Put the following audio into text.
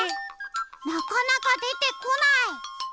なかなかでてこない。